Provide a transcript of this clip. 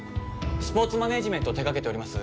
スポーツマネージメントを手がけております